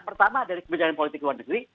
pertama dari kebijakan politik luar negeri